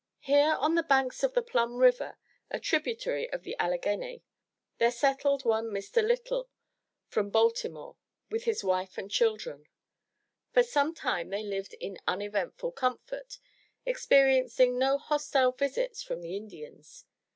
Here on the banks of the Plum River, a tributary of the Alleghany, there settled one Mr. Lytle, from Balti more, with his wife and children. For some time they lived in uneventful comfort, experiencing no hostile visits from the Indians.